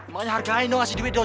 makanya hargain dong kasih duit dong